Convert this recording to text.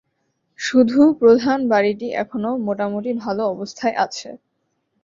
শুধু প্রধান বাড়িটি এখনো মোটামুটি ভালো অবস্থায় আছে।